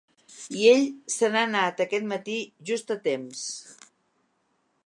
I ell se n’ha anat aquest matí, just a temps.